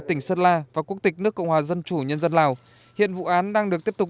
tỉnh sơn la và quốc tịch nước cộng hòa dân chủ nhân dân lào hiện vụ án đang được tiếp tục